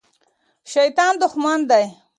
شیطان دښمن دی.